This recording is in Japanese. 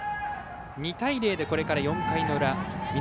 ２対０で、これから４回の裏南